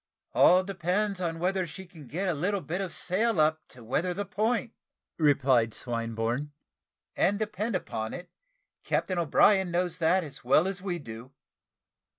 "All depends upon whether she can get a little bit of sail up to weather the point," replied Swinburne; "and depend upon it, Captain O'Brien knows that as well as we do."